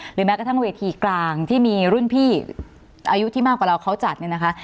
แม้กระทั่งเวทีกลางที่มีรุ่นพี่อายุที่มากกว่าเราเขาจัดเนี่ยนะคะ